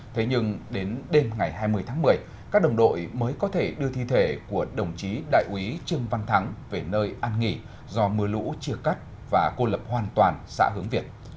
thế nhưng đến đêm ngày hai mươi tháng một mươi các đồng đội mới có thể đưa thi thể của đồng chí đại úy trương văn thắng về nơi an nghỉ do mưa lũ chia cắt và cô lập hoàn toàn xã hướng việt